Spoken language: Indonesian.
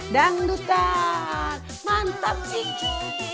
dangdutan mantap cikgu